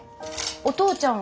お父ちゃんは？